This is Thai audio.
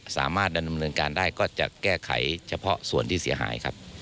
สามารถดำเนินการได้ก็จะแก้ไขเฉพาะส่วนที่เสียหายครับ